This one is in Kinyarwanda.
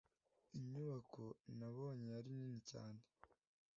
Inyubako nabonye yari nini cyane